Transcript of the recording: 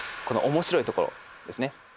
この面白いところですね。